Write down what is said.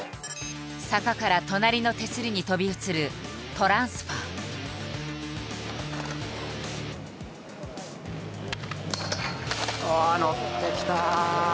坂から隣の手すりに飛び移るああ乗ってきた！